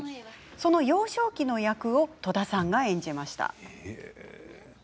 その幼少期の役を戸田さんが演じました。